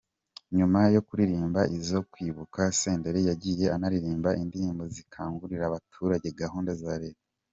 Nyuma yo kuririmba izo kwibuka, Senderi yagiye anaririmba indirimbo zikangurira abaturage gahunda za Leta.